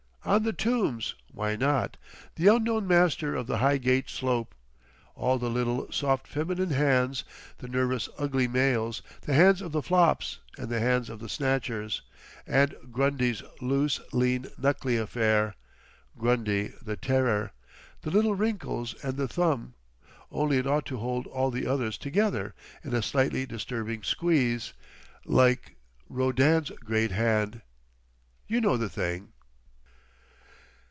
"On the tombs. Why not? The Unknown Master of the Highgate Slope! All the little, soft feminine hands, the nervous ugly males, the hands of the flops, and the hands of the snatchers! And Grundy's loose, lean, knuckly affair—Grundy the terror!—the little wrinkles and the thumb! Only it ought to hold all the others together—in a slightly disturbing squeeze....Like Rodin's great Hand—you know the thing!"